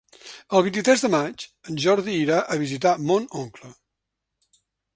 El vint-i-tres de maig en Jordi irà a visitar mon oncle.